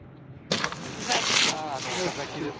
岡崎です。